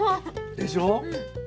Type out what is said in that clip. でしょ？